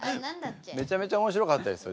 めちゃめちゃ面白かったですよ。